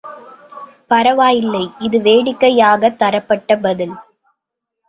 பரவாயில்லை இது வேடிக்கைக்காகத் தரப்பட்ட பதில்.